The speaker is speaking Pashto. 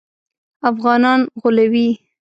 افغانان غولوي.